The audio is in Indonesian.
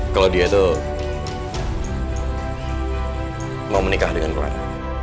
kalau dia itu mau menikah dengan keluarga